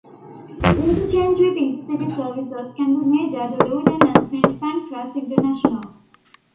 Interchange with InterCity services can be made at Luton and Saint Pancras International.